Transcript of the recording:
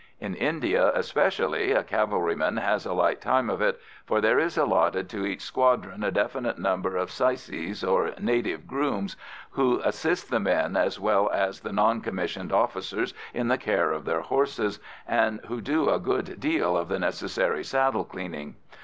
In India especially a cavalryman has a light time of it, for there is allotted to each squadron a definite number of syces, or native grooms, who assist the men as well as the non commissioned officers in the care of their horses, and who do a good deal of the necessary saddle cleaning.